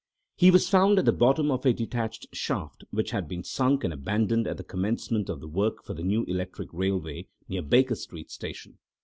He was found at the bottom of a detached shaft which had been sunk and abandoned at the commencement of the work for the new electric railway near Baker Street Station.